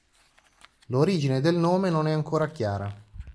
L'origine del nome non è ancora chiara.